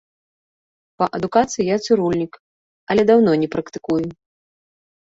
Па адукацыі я цырульнік, але даўно не практыкую.